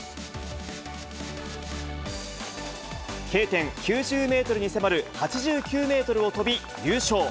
Ｋ点９０メートルに迫る８９メートルを飛び、優勝。